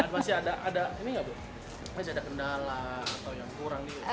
masih ada kendala atau yang kurang